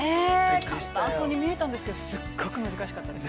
簡単そうに見えたんですけどすっごく難しかったです。